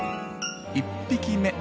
１匹目。